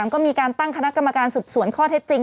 ก็มีการตั้งคณะกรรมการสืบสวนข้อเท็จจริง